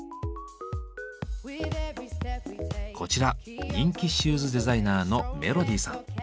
こちら人気シューズデザイナーのメロディさん。